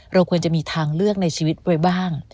เราควรจะมีทางเลือกในชีวิตไว้บ้าง